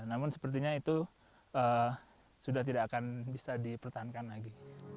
namun sepertinya itu sudah tidak akan bisa dipertahankan lagi